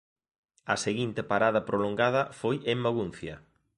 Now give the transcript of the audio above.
A seguinte parada prolongada foi en Maguncia.